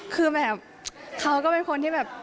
คือแบบเขาก็เป็นคนที่แบบ